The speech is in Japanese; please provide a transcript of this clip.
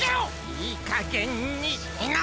いいかげんにしなさい！